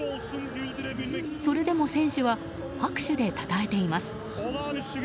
それでも選手は拍手でたたえています。